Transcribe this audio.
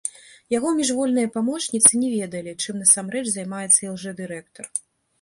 Яго міжвольныя памочніцы не ведалі, чым насамрэч займаецца ілжэ-дырэктар.